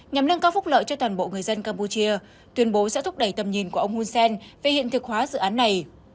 nhằm nâng cao phúc lợi cho toàn bộ người dân campuchia tuyên bố sẽ thúc đẩy tầm nhìn của ông hun sen về hiện thực hóa dự án này